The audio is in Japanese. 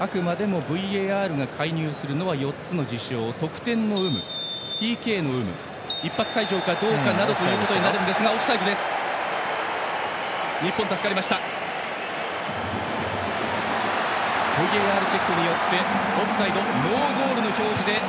あくまでもＶＡＲが介入するのは４つの事象得点の有無、ＰＫの有無一発退場かどうかなどになりますがオフサイドです。